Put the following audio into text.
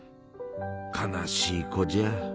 悲しい子じゃ。